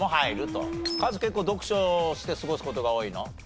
カズ結構読書して過ごす事が多いの？